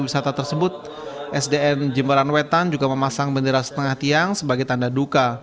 sdn jemberan wetan juga memasang bendera setengah tiang sebagai tanda duka